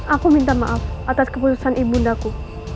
aku minta maaf atas keputusan ibu undaku